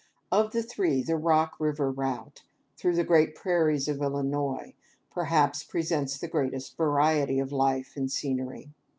Of the three, the Rock river route, through the great prairies of Illinois, perhaps presents the greatest variety of life and scenery.